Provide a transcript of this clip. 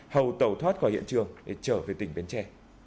hầu tẩu thoát khỏi hiện trường để trở về tỉnh bến tre